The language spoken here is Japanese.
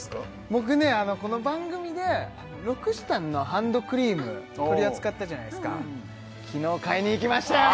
僕ねこの番組でロクシタンのハンドクリーム取り扱ったじゃないですか昨日買いに行きましたよ！